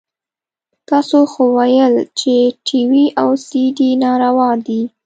تاسو خو ويل چې ټي وي او سي ډي ناروا دي.